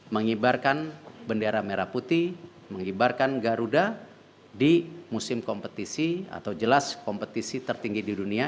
mengibarkan bendera merah putih mengibarkan garuda di musim kompetisi atau jelas kompetisi tertinggi di dunia